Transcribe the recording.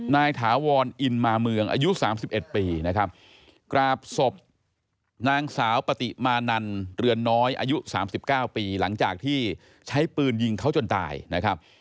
ถาวรอินมาเมืองอายุ๓๑ปีนะครับกราบศพนางสาวปฏิมานันเรือนน้อยอายุ๓๙ปีหลังจากที่ใช้ปืนยิงเขาจนตายนะครับ